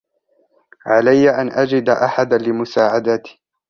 علي أن أجد أحدا لمساعدتي.